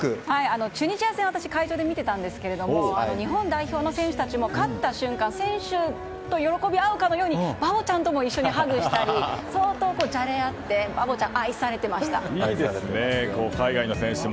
チュニジア戦を会場で見ていたんですが日本代表の選手たちも勝った瞬間選手と喜び合うかのようにバボちゃんと一緒にハグをしたりじゃれあっていいですね、海外の選手たちも。